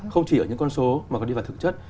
không chỉ ở những con số mà còn đi vào thực chất